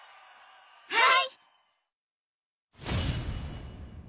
はい！